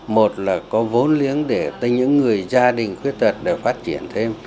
một là có vốn liếng để từ những người gia đình khuyết tật để phát triển thêm